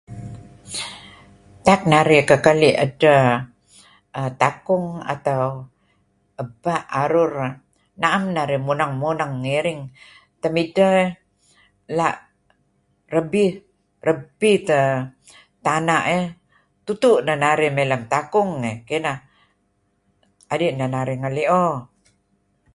Tak narih kekali' edteh takung atau ebpa' arur iih naam narih munen-muneg ngi iring. Temidteh dih la rebih, rebpih teh tana' iih. Tutu' neh narih may lem takung iih. Kineh, kadi' neh narih ngelio.